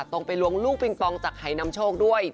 ตรงไปลวงลูกปิงปองจากหายนำโชคด้วย